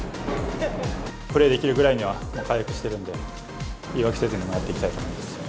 プレーできるくらいには回復してるんで、言い訳せずにやっていきたいと思います。